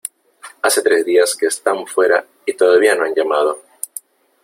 Hace tres días que están fuera y todavía no han llamado.